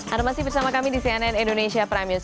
anda masih bersama kami di cnn indonesia prime news